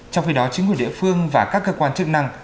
trong khi đó chính quyền địa phương và các cơ quan chức năng